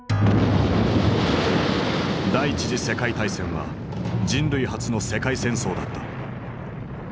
第一次世界大戦は人類初の世界戦争だった。